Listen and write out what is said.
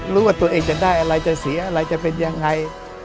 รู้ว่าตัวเองจะได้อะไรจะเสียอะไรจะเป็นยังไง